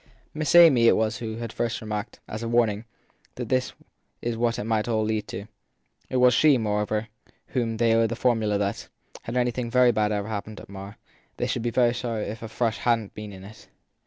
Miss Amy it was who had first remarked, as a warning, that this was what it might all lead to. It was she, moreover, to whom they owed the formula that, had anything very bad ever hap pened at Marr, they should be sorry if a Frush hadn t been in it.